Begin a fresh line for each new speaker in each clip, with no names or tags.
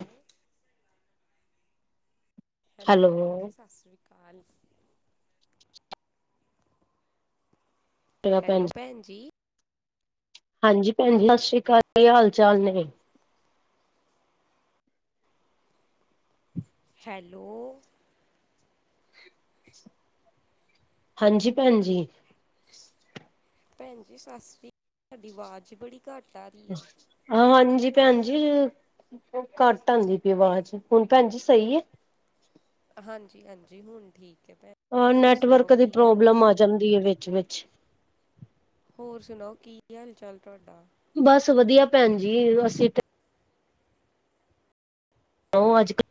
ਹੂੰ। ਹੈਲੋ, ਹਾਂਜੀ ਸਾਸਰੀ ਕਾਲ।
ਕਿਵੇ ਆਂ ਭੈਣ ਜੀ, ਹਾਂਜੀ ਭੈਣ ਜੀ ਆਸ਼ਰੀ ਕਾਲ ਕੀ ਹਾਲ-ਚਾਲ ਨੇ?
ਹੈਲੋ।
ਹਾਂਜੀ, ਭੈਣ ਜੀ।
ਭੈਣ ਜੀ ਸਾਸਰੀ, ਤੁਹਾਡੀ ਆਵਾਜ਼ ਬੜੀ ਘੱਟ ਆ ਰਹੀ ਹੈ
ਹਮ। ਹਾਂਜੀ ਭੈਣ ਜੀ, ਘੱਟ ਆਂਦੀ ਪਈ ਆਵਾਜ਼, ਹੁਣ ਭੈਣ ਜੀ ਸਹੀ ਏ।
ਹਾਂਜੀ-ਹਾਂਜੀ ਹੁਣ ਠੀਕ ਏ, ਭੈਣ
ਓ
ਹੋਰ ਸੁਣਾਓ
ਨੈਟਵਰਕ ਦੀ
ਕੀ ਹਾਲ
ਪ੍ਰੋਬਲਮ ਆ ਜਾਂਦੀ ਐ, ਵਿੱਚ-ਵਿੱਚ।
ਹੋਰ ਸੁਣਾਓ, ਕੀ ਹਾਲ-ਚਾਲ ਤੁਹਾਡਾ?
ਬਸ ਵਧੀਆ ਭੈਣ ਜੀ, ਅਸੀਂ ਉਹ ਅੱਜ-ਕੱਲ੍ਹ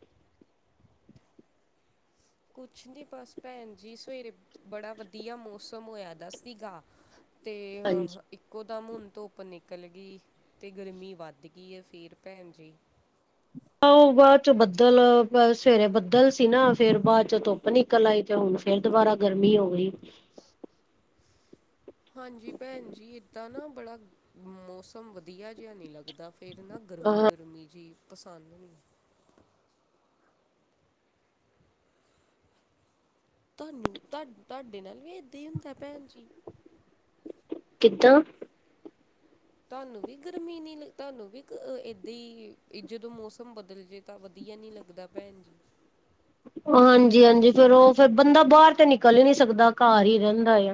ਕੁਛ ਨ੍ਹੀ ਬਸ ਭੈਣ ਜੀ, ਸਵੇਰੇ ਬੜਾ ਵਧੀਆ ਮੌਸਮ ਹੋਇਆ ਦਾ ਸੀਗਾ ਤੇ ਅਹ
ਹਾਂਜੀ
ਇੱਕ ਇੱਕੋਦਮ ਹੁਣ ਧੁੱਪ ਨਿਕਲ ਗੀ ਤੇ ਗਰਮੀ ਵੱਧ ਗੀ ਏ, ਫੇਰ ਭੈਣ ਜੀ। [inaudible]
ਉਹ ਬਾਅਦ ਚੋ' ਬੱਦਲ, ਸਵੇਰੇ ਬੱਦਲ ਸੀ ਨਾ ਫੇਰ ਬਾਅਦ ਚੋ' ਧੁੱਪ ਨਿਕਲ ਆਈ। ਤੇ ਹੁਣ ਫੇਰ ਦੁਬਾਰਾ ਗਰਮੀ ਹੋ ਗਈ।
ਹਾਂਜੀ ਪੈਣ ਜੀ ਇੱਦਾਂ ਨਾ ਬੜਾ ਮੌਸਮ ਵਧੀਆ ਜੇਹਾ ਨਈ ਲੱਗਦਾ। ਫੇਰ ਨਾ ਗਰਮੀ-
ਅ
ਗਰਮੀ ਜੀ ਪਸੰਦ ਨੀ। ਤਾਨੂੰ ਤੁ ਤਾਡੇ ਨਾਲ ਵੀ ਇਦਾਂ ਈ ਹੁੰਦਾ ਪੈਣ ਜੀ।
ਕਿੱਦਾਂ?
ਤੁਹਾਨੂੰ ਵੀ ਗਰਮੀ ਨੀ ਤਾਨੂੰ ਵੀ ਏਦਾਂ ਹੀ ਜਦੋਂ ਮੌਸਮ ਬਦਲ ਜੇ। ਤਾਂ ਵਧੀਆ ਨੀ ਲੱਗਦਾ ਪੈਣ ਜੀ।
ਹਾਂਜੀ- ਹਾਂਜੀ ਫੇਰ ਉਹ ਫੇਰ ਬੰਦਾ ਬਾਹਰ ਤੇ ਨਿਕਲ ਹੀ ਨੀ ਸਕਦਾ, ਘਰ ਹੀ ਰਹਿੰਦਾ ਏ।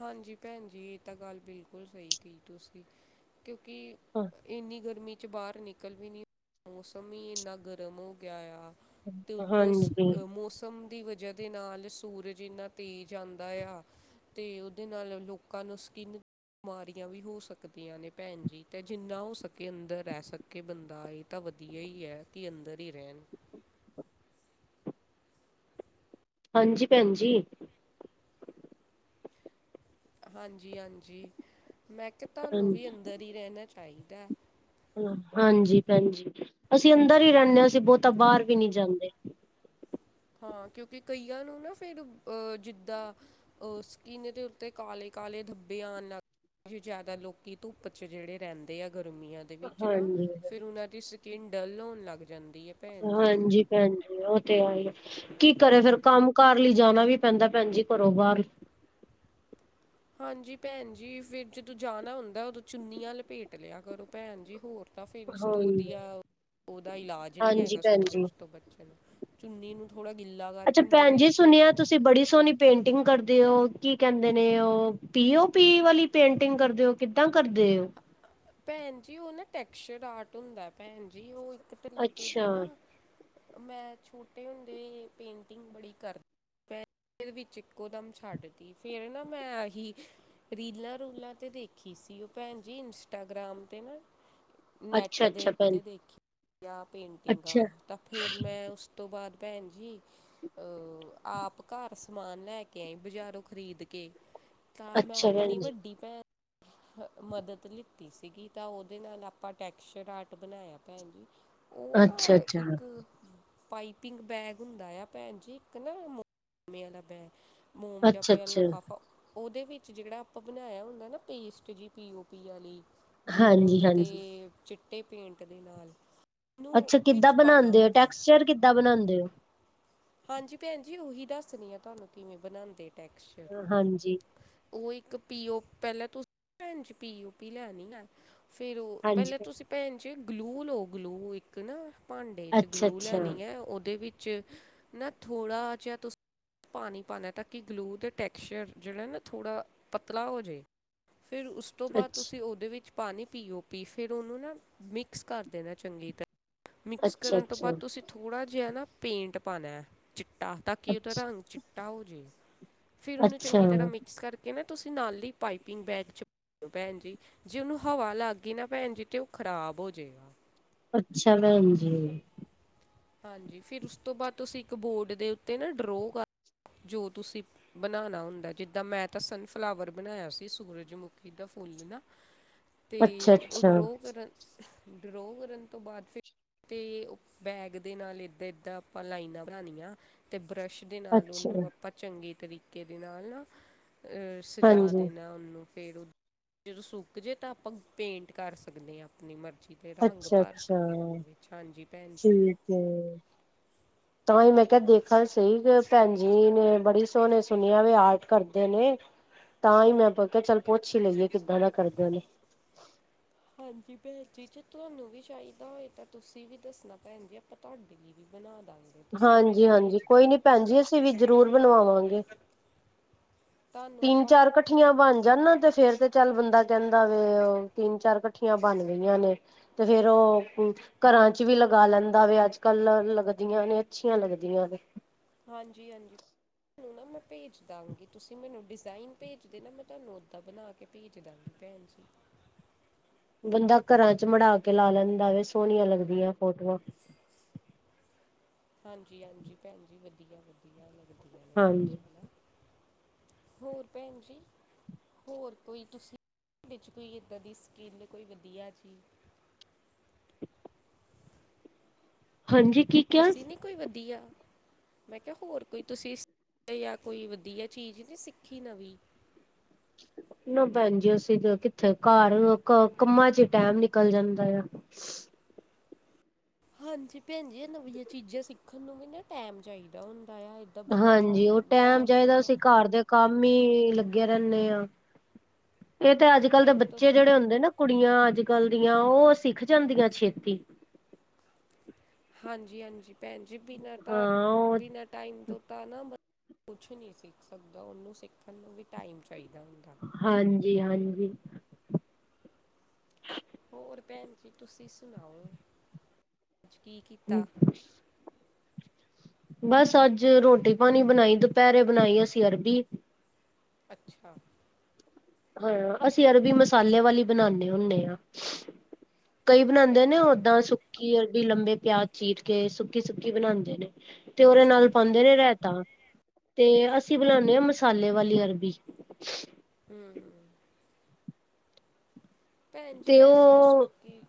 ਹਾਂਜੀ ਪੈਣ ਜੀ ਇਹ ਤਾਂ ਗੱਲ ਬਿਲਕੁਲ ਸਹੀ ਕੀ ਤੁਸੀਂ। ਕਿਉਂਕਿ ਇੰਨੀ ਗਰਮੀ ਬਚੇ ਬਾਹਰ ਨਿਕਲ ਵੀ ਨ ਮੌਸਮ ਹੀ ਇੰਨਾ ਗਰਮ ਹੋ ਗਿਆ ਹੋਆ ਐ। ਤੇ ੳਤੋ
ਹਾਂਜੀ
ਮੌਸ ਸਮ ਦੀ ਵਜੇ ਦੇ ਨਾਲ ਸੂਰਜ ਇੰਨਾ ਤੇਜ਼ ਆਂਦਾ ਯਾ। ਤੇ ਉਹਦੇ ਨਾਲ ਲੋਕਾਂ ਨੂੰ ਸਕੀਨ ਬਿਮਾਰੀਆਂ ਵੀ ਹੋ ਸਕਦੀਆਂ ਨੇ ਪੈਣ ਜੀ, ਤੇ ਜਿੰਨਾ ਹੋ ਸਕੇ ਅੰਦਰ ਰਹਿ ਸਕ ਕਿ ਬੰਦਾ ਇਹ ਤਾਂ ਵਧੀਆ ਹੀ ਹੈ ਕੇ ਅੰਦਰ ਹੀ ਰਹਿਣ।
ਹਾਂਜੀ ਪੈਣ ਜੀ।
ਹਾਂਜੀ-ਹਾਂਜੀ ਮੈਂ ਕਿਆ ਤਹਾਨੂੰ
ਹਾਂਜੀ
ਵੀ ਅੰਦਰ ਈ ਰਹਿਣਾ ਚਾਹੀਦਾ।
ਹਾਂਜੀ ਪੈਣਜੀ ਅਸੀਂ ਅੰਦਰ ਈ ਰਹਿੰਨੇ ਆ, ਅਸੀਂ ਬੋਹਤਾ ਬਾਹਰ ਵੀ ਨਈ ਜਾਂਦੇ।
ਹਾਂ ਕਿਉਂਕਿ ਕਈਆਂ ਨੂੰ ਨਾ ਫੇਰ ਅਹ ਜਿੱਦਾਂ ਉਹ ਸਕਿੰਨ ਦੇ ਉੱਤੇ ਕਾਲੇ- ਕਾਲੇ ਧੱਬੇ ਆਣ ਲੱਗ ਕਾਫ਼ੀ ਜਾੱਦਾ ਲੋਕੀ ਧੁੱਪ ਚ ਜਿਹੜੇ ਰਹਿੰਦੇ ਆ ਗਰਮੀਆਂ। ਦੇ ਵਿੱਚ ਨਾ
ਹਾਂਜੀ
ਫੇਰ ਉਹਨਾਂ ਦੀ ਸਕਿੰਨ ਡਲ ਹੋਣ ਲੱਗਦੀ
ਓ ਐਮ ਜੀ। ਹਾਂਜੀ ਉਹ ਤੇ ਆ ਹੀ ਐ, ਕੀ ਕਰੇ ਫੇਰ ਕੰਮ- ਕਾਰ ਲਈ ਜਾਣਾ ਵੀ ਪੈਂਦਾ ਪੈਣ ਜੀ ਘਰੋਂ ਬਾਹਰ।
ਹਾਂਜੀ ਪੈਣ ਜੀ ਫੇਰ ਜਦੋਂ ਜਾਣਾ ਹੁੰਦਾ ਉਦੋਂ ਚੁੰਨੀਆਂ ਲਪੇਟ ਲਿਆ ਕਰੋ ਪੈਣ ਜੀ ਹੋਰ ਤਾਂ ਫੇਰ ਇਸ ਤੋਂ
ਹਾਂਜੀ
ਵਧੀਆ ਉਹਦਾ ਇਲਾਜ ਨੀ
ਹਾਂਜੀ
ਹੈਗਾ
ਭੈਣ ਜੀ
ਸੂਰਜ ਤੋਂ ਬੱਚਨ ਨੂੰ। ਚੁੰਨੀ ਨੂੰ ਥੋੜਾ ਗਿੱਲਾ
ਅੱਛਾ
ਕਰਕੇ ਮੂੰਹ
ਭੈਣ
ਤੇ
ਜੀ
ਲਪੇਟ
ਸੁਣਿਆ
ਲੋ।
ਤੁਸੀਂ ਬੜੀ ਸੋਹਣੀ ਪੇਂਟਿੰਗ ਕਰਦੇ ਹੋ, ਕੀ ਕਹਿੰਦੇ ਨੇ ਉਹ ਪੀਓ ਪੀ ਵਾਲੀ ਪੇਂਟਿੰਗ ਕਰਦੇ ਹੋ, ਕਿੱਦਾਂ ਕਰਦੇ ਓ?
ਪੈਣ ਜੀ ਉਹ ਨਾ ਟੈਕਸਚਰ ਆਰਟ ਹੁੰਦਾ, ਪੈਣ ਜੀ ਉਹ। ਇੱਕ ਤਰੀਕੇ ਦੀ
ਅੱਛਾ
ਨਾ, ਮੈਂ ਛੋਟੇ ਹੁੰਦੇ ਪੇਂਟਿੰਗ ਬੜੀ ਕਰਦੀ। ਮੈਂ ਵਿੱਚ ਇੱਕੋ ਦਾਮ ਛੱਡ ਤੀ ਫੇਰ ਨਾ ਮੈਂ ਐਹੀ ਰੀਲਾਂ ਰੂਲਾਂ ਤੇ ਦੇਖੀ ਸੀ ੳ ਭੈਣ ਜੀ, ਇੰਸਟਾਗ੍ਰਾਮ 'ਤੇ ਨਾ ਨੈੱਟ
ਅੱਛਾ
ਦੇ
ਅੱਛਾ ਭੈਣ
ਉੱਤੇ ਦੇਖੀ ਆ ਪੇਂਟਿੰਗਾਂ
ਅੱਛਾ
ਤਾਂ ਫੇਰ ਮੈਂ ਉਸ ਤੋਂ ਬਾਦ ਪੈਣ ਜੀ ਅ ਆਪ ਘਰ ਸਮਾਨ ਲੈ ਕੇ ਆਈ ਬਜ਼ਾਰੋਂ ਖ਼ਰੀਦ ਕੇ। ਤਾਂ ਮੈਂ
ਅੱਛਾ
ਆਪਣੀ
ਭੈਣ ਜੀ
ਵੱਡੀ ਪੈਣ ਹ ਮਦਦ ਲਿੱਤੀ ਸੀਗੀ ਤਾਂ ਉਹਦੇ ਨਾਲ ਆਪਾਂ ਟੈਕਚਰ ਆਰਟ ਬਣਾਇਆ ਪੈਣ ਜੀ। ਉਹ ਨਾ
ਅੱਛਾ ਅੱਛਾ
ਇੱਕ ਪਾਈਪਿੰਗ ਬੈਗ ਹੁੰਦਾ ਆ ਪੈਣ ਜੀ, ਇੱਕ ਨਾ [unintelligible] ਬੈਗ ਮੋਮ ਜਾ
ਅੱਛਾ
ਪਿਆ
ਅੱਛਾ
ਲਿਫਾਫਾ ਉਹਦੇ ਵਿੱਚ ਜਿਹੜਾ ਆਪਾਂ ਬਣਾਇਆ ਹੁੰਦਾ ਨਾ ਪੇਸਟ ਜੀ ਪੀ ਓ ਪੀ ਵਾਲੀ ਗੂੰਦ
ਹਾਂਜੀ
ਤੇ
ਹਾਂਜੀ
ਚਿੱਟੇ ਪੇਂਟ ਦੇ ਨਾਲ। ਨੂੰ
ਅੱਛਾ ਕਿੱਦਾਂ
ਵਿੱਚ ਪਾਣਾ
ਬਣਾਉਂਦੇ ਓ,
ਹੁੰਦਾ ਹੈ।
ਟੈਕਸਚਰ ਕਿੱਦਾਂ ਬਣਾਉਂਦੇ ਓ?
ਹਾਂਜੀ ਪੈਣ ਜੀ ਉਹੀ ਦੱਸਰੀ ਆਂ ਤਹਾਨੂੰ ਕਿਵੇਂ ਬਣਾਂਦੇ ਟੈਕਸ
ਹਾਂਜੀ।
ਉਹ ਇੱਕ ਪੀ ਓ ਪਹਿਲਾਂ ਤੁਸੀਂ ਭ ਪੀਓ ਪੀ ਲੈਣੀ ਹੈ ਫਿਰ ਉਹ
ਹਾਂਜੀ
ਪਹਿਲਾਂ ਤੁਸੀਂ ਭੈਣ ਜੀ ਗਲੂ ਲੋ ਗਲੂ ਇੱਕ ਨਾ ਭਾਂਡੇ ਚ
ਅੱਛਾ
ਗਲੂ
ਅੱਛਾ
ਲੈਣੀ ਹੈ। ਉਹਦੇ ਵਿੱਚ ਨਾ ਥੋੜ੍ਹਾ ਜਿਆ ਤੁਸੀ ਪਾਣੀ ਪਾਉਂਣਾ ਤਾਂ ਕਿ ਗਲੂ ਦੇ ਟੈਕਸਚਰ ਜਿਹੜਾ ਨਾ ਥੋੜ੍ਹਾ ਪਤਲਾ ਹੋ ਜੇ। ਫਿਰ ਉਸ ਉਸ ਤੋਂ ਬਾਅਦ
ਅੱਛ
ਤੁਸੀਂ ਉਹਦੇ ਵਿੱਚ ਪਾਣੀ ਪੀਓ ਪੀ। ਫਿਰ ਉਹਨੂੰ ਨਾ ਮਿਕਸ ਕਰ ਦੇਣਾ ਚੰਗੀ ਤਰ੍ਹਾਂ ਮਿਕਸ
ਅੱਛਾ
ਕਰਨ ਤੋਂ ਬਾਅਦ
ਅੱਛਾ
ਤੁਸੀਂ ਥੋੜ੍ਹਾ ਜਿਹਾ ਨਾ ਪੇਂਟ ਪਾਣਾ ਏ ਚਿੱਟਾ ਤਾਂ ਕਿ ਉਹਦਾ
ਅੱਛ
ਰੰਗ ਚਿੱਟਾ ਹੋ ਜਾਵੇ ਫਿਰ ਉਹਨੂੰ
ਅੱਛਾ
ਚੰਗੀ ਤਰ੍ਹਾਂ ਮਿਕਸ ਕਰ ਕੇ ਤੁਸੀਂ ਨਾਲ ਈ ਪਾਈਪਿੰਗ ਬੈਗ 'ਚ ਭੈਣ ਜੀ ਜੇ ਉਹਨੂੰ ਹਵਾ ਲੱਗ ਗਈ ਨਾ ਭੈਣ ਜੀ ਤੇ ਉਹ ਖ਼ਰਾਬ ਹੋ ਜੇਗਾ।
ਅੱਛਾ? ਭੈਣ ਜੀ,
ਹਾਂਜੀ, ਫਿਰ ਉਸ ਤੋਂ ਬਾਅਦ ਤੁਸੀਂ ਇੱਕ ਬੋਰਡ ਦੇ ਉੱਤੇ ਨਾ ਡਰੋ ਕਰ ਜੋ ਤੁਸੀਂ ਬਣਾਉਣਾ ਹੁੰਦਾ, ਜਿੱਦਾਂ ਮੈਂ ਤਾਂ ਸਨਫਲਾਵਰ ਬਣਾਇਆ ਸੀ ਸੂਰਜਮੁਖੀ ਦਾ ਫੁੱਲ ਨਾ ਤੇ
ਅੱਛਾ
ਉਹ
ਅੱਛਾ
ਡਰੋ ਕਰਨ ਡਰੋ ਕਰਨ ਤੋਂ ਬਾਅਦ ਫਿਰ ਤੇ ਉਹ ਬੈਗ ਦੇ ਨਾਲ ਏਦਾਂ ਏਦਾਂ ਆਪਾਂ ਲਾਈਨਾਂ ਬਣਾਨੀਆਂ, ਤੇ ਬਰੱਸ਼ ਦੇ ਨਾਲ
ਅੱਛਾ
ਉਹਨੂੰ ਆਪਾਂ ਚੰਗੇ ਤਰੀਕੇ ਦੇ ਨਾਲ ਨਾ ਸਜਾ
ਹਾਂਜੀ
ਦੇਣਾ ਉਹਨੂੰ ਫੇਰ ਜਦੋਂ ਸੁੱਕ ਜੇ ਤਾਂ ਆਪਾਂ ਪੇਂਟ ਕਰ ਸਕਦੇ ਆਂ ਆਪਣੀ ਮਰਜ਼ੀ ਦੇ ਰੰਗ
ਅੱਛਾ
ਭਰ
ਅੱਛਾ
ਸਕਦੇ ਆਂ ਵਿੱਚ ਹਾਂਜੀ ਭੈਣ ਜੀ।
ਠੀਕ ਏ।
[inaudible]
ਤਾਂ ਹੀ ਮੈਂ ਕਿਹਾ ਦੇਖਾ ਤੇ ਸਈ ਕਿ ਭੈਣ ਜੀ ਨੇ ਬੜੀ ਸੋਹਣੇ ਸੂਣੀਆਂ ਵੇ ਆਰਟ ਕਰਦੇ ਨੇ। ਤਾਂ ਹੀ ਮੈਂ ਆਪ ਕਿਹਾ ਚੱਲ ਪੁੱਛ ਹੀ ਲਈਏ ਕਿੱਦਾਂ ਦਾ ਕਰਦੇ ਨੇ।
ਹਾਂਜੀ, ਭੈਣ ਜੀ ਜੇ ਤੁਹਾਨੂੰ ਵੀ ਚਾਹੀਦਾ ਹੋਏ ਤਾਂ ਤੁਸੀਂ ਵੀ ਦੱਸਣਾ, ਭੈਣ ਜੀ ਆਪਾਂ ਤੁਹਾਡੇ ਲਈ ਵੀ ਬਣਾ ਦਾਂਗੇ। ਤੁਸੀਂ ਮੈਨੂੰ
ਹਾਂਜੀ-ਹਾਂਜੀ,
ਭੇਜ
ਕੋਈ ਨੀ
ਦੇਣਾ
ਭੈਣ ਜੀ ਅਸੀਂ ਵੀ ਜ਼ਰੂਰ ਬਣਵਾਵਾਂਗੇ।
ਤੁਹਾਨੂੰ ਆਪਾਂ
ਤਿੰਨ-ਚਾਰ ਕੱ ਕੱਠੀਆਂ ਬਣ ਜਾਣ ਤੇ ਫੇਰ ਤੇ ਚੱਲ ਬੰਦਾ ਕਹਿੰਦਾ ਵੇ ਉਹ ਤਿੰਨ-ਚਾਰ ਕੱਠੀਆਂ ਬਣ ਗਈਆਂ ਨੇ। ਤੇ ਫੇਰ ਉਹ ਘਰਾਂ ਚ ਵੀ ਲਗਾ ਲੈਂਦਾ ਵੇ ਅੱਜ-ਕੱਲ ਲੱਗਦੀਆਂ ਨੇ ਅੱਛੀਆਂ ਲੱਗਦੀਆਂ ਨੇ।
ਹਾਂਜੀ-ਹਾਂਜੀ। ਤੁਹਾਨੂੰ ਨਾ ਮੈਂ ਭੇਜ ਦਵਾਂਗੀ ਤੁਸੀਂ ਮੈਨੂੰ ਡਿਜ਼ਾਇਨ ਭੇਜ ਦੇ ਨਾ ਮੈਂ ਤੁਹਾਨੂੰ ਓਦਾਂ ਬਣਾ ਕੇ ਕੇ ਪੇਜ ਦਾਂਗੀ ਭੈਣ ਜੀ।
ਬੰਦਾ ਘਰਾਂ ਚ ਮੜਾ ਕੇ ਲਾ ਲੈਂਦਾ ਵੇ, ਸੋਹਣੀਆਂ ਲੱਗਦੀਆਂ ਫੋਟੋਆਂ।
ਹਾਂਜੀ-ਹਾਂਜੀ, ਭੈਣ ਜੀ ਵਧੀਆ-ਵਧੀਆ ਲੱਗਦੀਆਂ ਨੇ
ਹਾਂਜੀ
ਬੜੀਆਂ ਹੈ ਨਾ। ਹੋਰ ਭੈਣ ਜੀ? ਹੋਰ ਕੋਈ ਤੁਸੀਂ ਵਿੱਚ ਕੋਈ ਇੱਦਾਂ ਦੀ ਸਕੀਲ ਕੋਈ ਵਧੀਆ ਜੀ?
ਹਾਂਜੀ। ਕੀ ਕਿਹਾ
ਤੁਸੀਂ ਨਹੀਂ ਕੋਈ ਵਧੀਆ ਮੈਂ ਕਿਹਾ ਹੋਰ ਕੋਈ ਤੁਸੀਂ ਜਾਂ ਕੋਈ ਵਧੀਆ ਚੀਜ਼ ਹੀ ਨਹੀਂ ਸਿੱਖੀ ਨਵੀਂ? [inaudible]
ਨਾ ਭੈਣ ਜੀ ਅਸੀਂ ਕਿੱਥੇ ਘਰ ਕੰਮਾਂ ਚ ਹੀ ਟੈਮ ਨਿਕਲ ਜਾਂਦਾ ਆ।
ਹਾਂਜੀ, ਭੈਣ ਜੀ ਇਹ ਨਵੀਆਂ ਚੀਜ਼ਾਂ ਸਿੱਖਣ ਨੂੰ ਵੀ ਨਾ ਟਾਈਮ ਚਾਹੀਦਾ ਹੁੰਦਾ ਆ ਬਿਨਾ
ਹਾਂਜੀ, ਉਹ ਟੈਮ
ਟਾਈਮ ਤੋਂ
ਚਾਹੀਦਾ
ਤਾਂ
ਅਸੀ ਘਰ ਦੇ ਕੰਮ ਹੀ ਲੱਗੇ ਰਹਿੰਨੇ ਆ, ਇਹ ਤੇ ਅੱਜ-ਕੱਲ ਦੇ
ਟਾਈਮ ਤੋਂ
ਬੱਚੇ ਜਿਹੜੇ ਹੁੰਦੇ ਨਾ ਕੁੜੀਆਂ ਅੱਜ- ਕੱਲ ਦੀਆਂ, ਉਹ ਸਿੱਖ ਜਾਂਦੀਆਂ ਛੇਤੀ।
ਹਾਂਜੀ- ਹਾਂਜੀ ਭੈਣ ਜੀ, ਬਿਨਾਂ ਤਾਂ
ਹਾਂ ਉਹ
ਬਿਨਾਂ ਟਾਈਮ ਤੋਂ ਤਾਂ ਨਾ ਬ, ਕੁਛ ਨਹੀਂ ਸਿੱਖ ਸਕਦਾ, ਉਹਨੂੰ ਸਿੱਖਣ ਨੂੰ ਵੀ ਟਾਈਮ ਚਾਹੀਦਾ ਹੁੰਦਾ।
ਹਾਂਜੀ- ਹਾਂਜੀ
ਹੋਰ ਭੈਣ ਜੀ ਤੁਸੀਂ ਸੁਣਾਓ, ਅੱਜ ਕੀ ਕੀਤਾ।
ਬਸ ਅੱਜ ਰੋਟੀ ਪਾਣੀ ਬਣਾਈ, ਦੁਪਹਿਰੇ ਬਣਾਈ ਅਸੀਂ ਅਰਬੀ
ਅੱਛਾ
ਹਾਂ, ਅਸੀਂ ਅਰਬੀ ਮਸਾਲੇ ਵਾਲੀ ਬਣਾਦੇ ਹੁੰਨੇ ਆਂ। ਕਈ ਬਣਾਉਂਦੇ ਨੇ
ਭੈਣ
ਓਦਾਂ, ਸੁੱਕੀ ਅਰਬੀ ਲੰਬੇ ਪਿਆਜ ਚੀਰ ਕੇ, ਸੁੱਕੀ- ਸੁੱਕੀ ਬਣਾਉਂਦੇ ਨੇ। ਤੇ ਉਹਦੇ
ਅੱਛਾ
ਨਾਲ
ਅੱਛਾ
ਪਾਉਂਦੇ ਨੇ ਰੇਇਹਤਾ। ਤੇ ਅਸੀਂ ਬਣਾਉਦੇ ਹਾਂ ਮਸਾਲੇ ਵਾਲੀ ਅਰਬੀ।
ਹੂੰਮ- ਹੂੰਮ, ਭੈਣ ਜੀ,
ਤੇ
ਵੈਸੇ ਨਾ
ਉਹ
ਸੁੱਕੀ,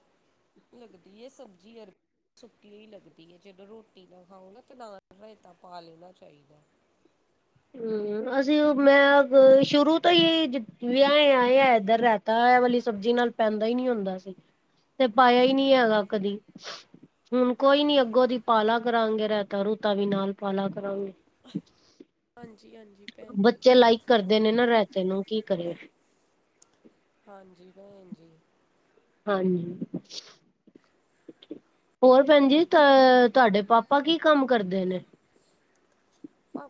ਲੱਗਦੀ ਸਬਜ਼ੀ ਅਰਬੀ। ਸੁੱਕੀ ਲੱਗਦੀ ਹੈ, ਜਦੋਂ ਰੋਟੀ ਨਾ ਖਾਓ ਨਾ ਤੇ ਨਾਲ ਰਾਇਤਾ ਪਾ ਲੈਣਾ ਚਾਹੀਦਾ।
ਹਮ, ਅਸੀਂ ਮੈਂ ਸ਼ੁਰੂ ਤੋਂ ਜਦ ਹੀ ਵਿਆਹੇ ਆਏ ਆ ਇੱਧਰ ਰਾਇਤਾ ਦਾ ਐ ਵਾਲੀ ਸਬਜ਼ੀ ਨਾਲ ਪੈਂਦਾ ਹੀ ਨੀ ਹੁੰਦਾ ਸੀ, ਤੇ ਪਾਇਆ ਹੀ ਨਹੀਂ ਹੈਗਾ ਕਦੀ। ਹੁਣ ਕੋਈ ਨੀ ਅੱਗੋਂ ਦੀ ਪਾਲਾ ਕਰਾਂਗੇ, ਰਾਇਤਾ ਰੂਤਾ ਵੀ ਨਾਲ ਪਾਲਾ ਕਰਾਂਗੇ।
ਹਾਂਜੀ- ਹਾਂਜੀ, ਭੈਣ ਜੀ
ਬੱਚੇ ਲਾਈਕ ਕਰਦੇ
ਜ਼ਰੂਰ
ਨੇ ਨਾ ਰਾਇਤੇ ਨੂੰ, ਕੀ ਕਰਿਏ।
ਹਾਂਜੀ ਭੈਣ ਜੀ‌,
ਹਾਂਜੀ‌, ਹੋਰ ਭੈਣ ਜੀ, ਅ ਤੁਹਾਡੇ ਪਾਪਾ ਕੀ ਕੰਮ ਕਰਦੇ ਨੇ
ਆ,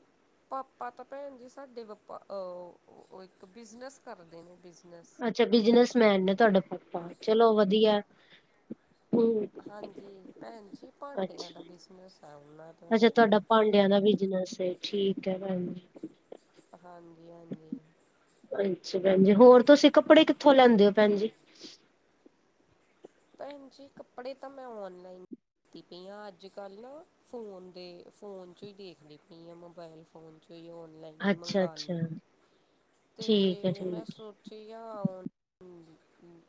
ਪਾਪਾ ਤਾਂ ਭੈਣ ਜੀ ਸਾਡੇ ਪਾਪਾ ਉਹ ਉਹ ਇੱਕ, ਬਿਜ਼ਨਸ ਕਰਦੇ ਨੇ ਬਿਜ਼ਨਸ।
ਅੱਛਾ ਬਿਜਨਸ ਮੈਨ ਨੇ ਤੁਹਾਡੇ ਪਾਪਾ, ਚਲੋ ਵਧੀਆ। ਹਮ
ਹਾਂਜੀ, ਭੈਣ ਜੀ‌, ਭਾਂਡਿਆਂ ਦਾ
ਅੱਛਾ
ਬਿਜਨਸ ਹੈ ਅਪਨਾ।
ਅੱਛਾ ਤੁਹਾਡਾ ਭਾਂਡਿਆਂ ਦਾ ਬਿਜਨਸ ਹੇ, ਠੀਕ ਹੈੈ ਭੈਣ ਜੀ
ਹਾਂਜੀ- ਹਾਂਜੀ,
ਅੱਛਾ ਭੈਣ ਜੀ, ਹੋਰ ਤੁਸੀਂ ਕੱਪੜੇ ਕਿੱਥੋਂ ਲੈਂਦੇ ਹੋ ਭੈਣ ਜੀ।
ਭੈਣ ਜੀ, ਕੱਪੜੇ ਤਾਂ ਮੈਂ ਔਨਲਾਈਨ। ਕੀਟੀਆਂ ਅੱਜ -ਕੱਲ੍ਹ ਨਾ, ਫੋਨ ਦੇ ਫੋਨ ਚੋਂ ਹੀ ਦੇਖਦੀ ਪਈ ਹਾਂ ਮੋਬਾਈਲ ਫੋਨ। ਤੇ ਉਨਲਾਈਨ ਹੀ
ਅੱਛਾ ਅੱਛਾ
ਮੰਗਉਣੀ,
ਠੀਕ ਹੈ
ਤੇ ਮੈਂ
ਠੀਕ
ਸੋਚਿਆ, ਆਉਨ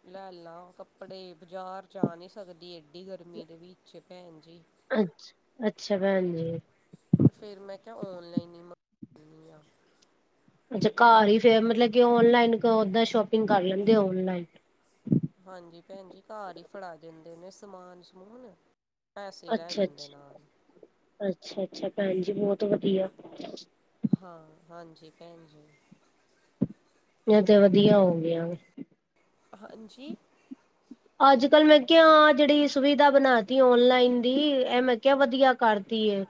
ਲੈ ਲਾ ਕੱਪੜੇ, ਬਜ਼ਾਰ ਜਾ ਨਹੀਂ ਸਕਦੀ ਐਏਡੀ ਗਰਮੀ ਦੇ ਵਿੱਚ ਭੈਣ ਜੀ।
ਅੱਛ, ਅੱਛਾ ਭੈਣ ਜੀ।
ਫੇਰ ਮੈਂ ਕਿਹਾ ਓਨਲਾਈਨ ਹੀ। ਨਿਊਯਰਕ।
ਅੱਛਾ ਘਰ ਹੀ ਫੇਰ ਮਤਲਬ ਕਿ ਔਨਲਾਈਨ ਓਦਾਂ ਸ਼ੋਪਿੰਗ ਕਰ ਲੈਂਦੇ ਔਨਲਾਈਨ।
ਹਾਂਜੀ ਭੈਣ ਜੀ ਘਰ ਹੀ ਫੜਾ ਦਿੰਦੇ ਨੇ ਸਮਾਨ ਸਮੂਨ। ਪੈਸੇ ਰਹਿ
ਅੱਛਾ
ਜਾਂਦੇ
ਅੱਛਾ
ਨਾਲ।
ਅੱਛਾ- ਅੱਛਾ ਭੈਣ ਜੀ, ਬਹੁਤ ਵਧੀਆ।
ਹਾਂ, ਹਾਂਜੀ, ਭੈਣ ਜੀ।
ਇਹ ਤੇ ਵਧੀਆ ਹੋਗਆਂ।
ਹਾਂਜੀ,
ਅੱਜ -ਕੱਲ ਮੈਂ ਕਿਹਾ, ਜਿਹੜੀ ਸੁਵਿਧਾ ਬਣਾ ਤੀ ਓਨਲਾਈਨ ਦੀ, ਇਹ ਮੈਂ ਕਿਹਾ ਵਧੀਆ। ਕਰਦੀ ਹੈ,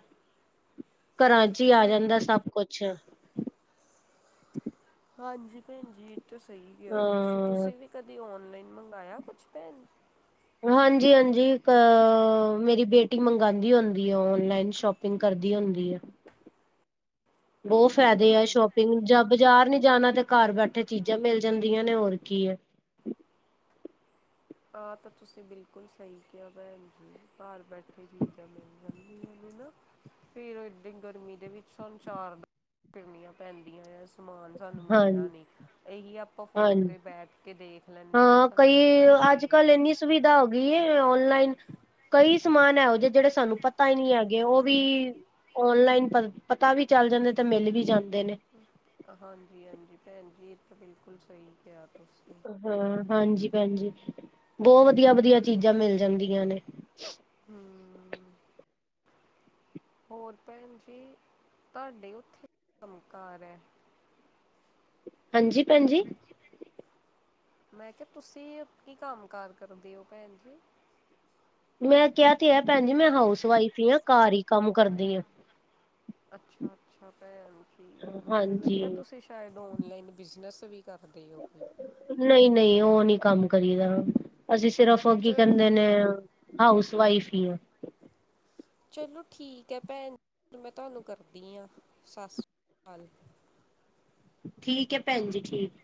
ਘਰਾਂ 'ਚ ਹੀ ਆ
ਹਾਂ
ਜਾਂਦਾ ਸਭ ਕੁਛ।
ਹਾਂਜੀ ਭੈਣ ਜੀ ਇਹ ਤਾਂ ਸਹੀ ਆ ਤੁਸੀ -
ਹਾਂ
ਤੁਸੀਂ ਵੀ ਕਦੇ ਔਨਲਾਈਨ ਮੰਗਵਾਇਆ ਕੁਛ ਭੈਣ
ਹਾਂਜੀ-ਹਾਂਜੀ ਅ ਮੇਰੀ ਬੇਟੀ ਮੰਗਾਆਦੀ ਹੁੰਦੀ ਐ ਔਨਲਾਈਨ ਸ਼ੋਪਿੰਗ ਕਰਦੀ ਹੁੰਦੀ ਐ।
[unintelligible]
ਬਹੁਤ ਫਾਇਦੇ
ਭੈਣ
ਆ
ਜੀ
ਸ਼ੋਪਿੰਗ ਜਾਂ ਬਜ਼ਾਰ ਨੀ ਜਾਣਾ ਤੇ ਘਰ ਬੈਠੇ ਚੀਜ਼ਾਂ ਮਿਲ ਜਾਂਦੀਆਂ ਨੇ ਹੋਰ ਕੀ ਏ।
ਆ ਤਾਂ ਤੁਸੀਂ ਬਿਲਕੁਲ ਸਹੀ ਕਿਹਾ ਭੈਣ ਜੀ ਘਰ ਬੈਠੇ ਚੀਜ਼ਾਂ ਮਿਲ ਜਾਦਿਆਂ ਨੇ ਹੈਨਾ। ਫੇਰ ਏਡੇ ਗਰਮੀ ਦੇ ਵਿੱਚ ਸਾਨੂੰ ਚਾਰ ਫਿਰਨੀਆਂ ਪੈਂਦੀਆਂ ਆ। ਸਮਾਨ ਸਾਨੂੰ ਮਿਲਦਾ
ਹਾਂਜੀ
ਨੀ। ਇਹੀ ਆਪਾਂ ਫੋਨ
ਹਾਂਜੀ
ਤੇ ਬੈਠ ਕੇ ਦੇਖ ਲੈਂਨੇ ਆ ਸਾਨੂੰ ਉੱਦਾਂ ਦੀ ਚੀਜ਼
ਅੱਜ-ਕੱਲ ਇੰਨੀ
ਮਿਲਦੀ
ਸੁਵਿਧਾ ਹੋ ਗਈ ਐ ਔਨਲਾਈਨ ਕਈ ਸਮਾਨ ਇਹੋ ਜਿਹੇ ਜਿਹੜੇ ਸਾਨੂੰ ਪਤਾ ਈ ਨਹੀਂ ਹੈਗੇ ਓਹ ਵੀ ਔਨਲਾਈਨ ਪ ਪਤਾ ਵੀ ਚੱਲ ਜਾਂਦੇ ਨੇ ਤੇ ਮਿਲ ਵੀ ਜਾਂਦੇ ਨੇ।
ਹਾਂਜੀ, ਹਾਂਜੀ ਭੈਣ ਜੀ ਇਹ ਤਾਂ ਬਿਲਕੁਲ ਸਹੀ ਕਿਆ ਤੁਸੀਂ।
ਹਾਂ, ਹਾਂਜੀ ਭੈਣਜੀ ਬਹੁਤ ਵਧੀਆ, ਵਧੀਆ ਚੀਜ਼ਾਂ ਮਿਲ ਜਾਂਦੀਆਂ ਨੇ।
ਹਮ। ਹੋਰ ਭੈਣ ਜੀ ਤੁਹਾਡੇ ਉੱਥੇ, ਕੰਮ ਕਾਰ ਐ?
ਹਾਂਜੀ ਭੈਣ ਜੀ।
ਮੈਂ ਕਿਹਾ ਤੁਸੀਂ ਕੀ ਕੰਮ ਕਾਰ ਕਰਦੇ ਓ ਭੈਣ ਜੀ?
ਮੈਂ ਕਿਹਾ ਤੇ ਐ ਭੈਣ ਜੀ ਮੈਂ ਹਾਊਸ ਵਾਈਫ ਹੀ ਆ ਘਾਰ ਹੀ ਕਾਰ ਹੀ ਕੰਮ ਕਰਦੀ ਆ।
ਅੱਛਾ, ਅੱਛਾ ਭੈਣ ਜੀ ਮੈਨੂੰ
ਹਾਂਜੀ
ਲੱਗਿਆ ਤੁਸੀਂ ਸ਼ਾਇਦ ਆਨਲਾਈਨ ਬਿਜਨਸ ਵੀ ਕਰ ਦੇ ਓ।
ਨਹੀਂ ਨਹੀਂ ਉਹ ਨਹੀਂ ਕੰਮ ਕਰੀਦਾ ਅਸੀਂ ਸਿਰਫ਼
ਚ
ਕੀ ਕਹਿੰਦੇ ਨੇ ਹਾਊਸ ਵਾਈਫ ਹੀ ਆ।
ਚਲੋ ਠੀਕ ਐ ਭੈਣ ਮੈਂ ਤੁਹਾਨੂੰ ਕਰਦੀ ਆ ਸਤਿ ਸ਼੍ਰੀ ਅਕਾਲ।
ਠੀਕ ਐ ਭੈਣ ਜੀ ਠੀਕ